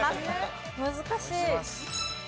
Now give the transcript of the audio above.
難しい。